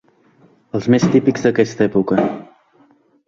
Els més típics d’aquesta època.